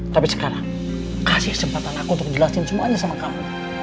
tapi sekarang kasih kesempatan aku untuk jelasin semuanya sama kamu